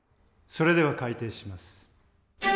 それでは開廷します。